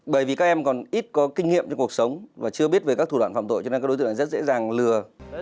bởi vì các em còn ít có kinh nghiệm trong cuộc sống và chưa biết về các thủ đoạn phạm tội cho nên các đối tượng lại rất dễ dàng lừa